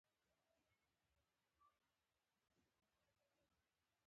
په پای کې برانشیولونه په هوایي کڅوړو پای ته رسيږي.